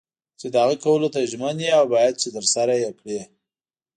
چې د هغه کولو ته ژمن یې او باید چې ترسره یې کړې.